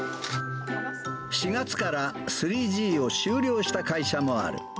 ４月から３Ｇを終了した会社もある。